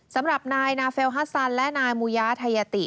สำหรับนายนาเฟลฮัสซันและนายมูยาไทยติ